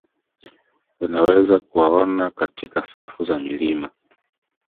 Unaweza kuwaona katika safu za milima